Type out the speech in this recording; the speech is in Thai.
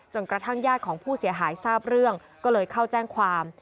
กระทั่งญาติของผู้เสียหายทราบเรื่องก็เลยเข้าแจ้งความ